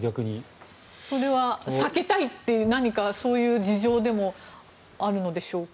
それは避けたいという何か事情でもあるのでしょうか。